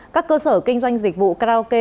các cơ sở kinh doanh dịch vụ karaoke